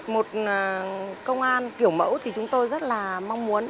một công an kiểu mẫu thì chúng tôi rất là mong muốn